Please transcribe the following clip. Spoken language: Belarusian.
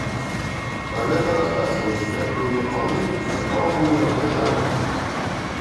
Пра гэта расказвалі, што як быў ён малы, дык наклаў быў на печы агню.